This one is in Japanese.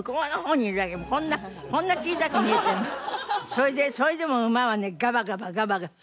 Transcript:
それでそれでも馬はねガバガバガバガバ。